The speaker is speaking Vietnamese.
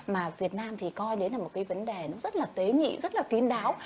mà việt nam thì coi đấy là một cái vấn đề nó rất là tế nghị rất là kín đáo